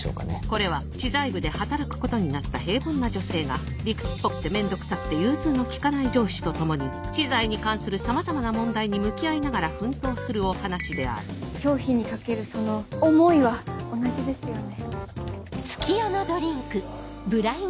これは知財部で働くことになった平凡な女性が理屈っぽくて面倒くさくて融通の利かない上司と共に知財に関するさまざまな問題に向き合いながら奮闘するお話である商品にかけるその「思い」は同じですよね？